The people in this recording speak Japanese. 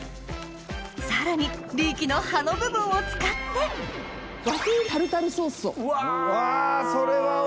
さらにリーキの葉の部分を使ってお。